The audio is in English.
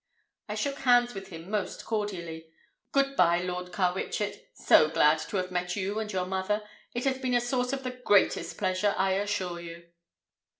I shook hands with him most cordially. "Good by, Lord Carwitchet. So glad to have met you and your mother. It has been a source of the greatest pleasure, I assure you."